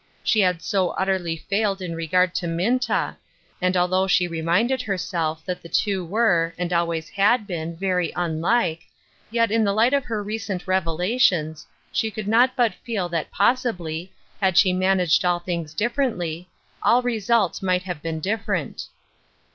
She had so utterly failed in regard to Minta ; and though she reminded herself that the two were, and had always been, very unlike, yet in the light of her recent revelations, she could not but feel that possibly, had she managed all things differ ently, all results might have been different.